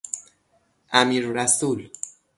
امیررسول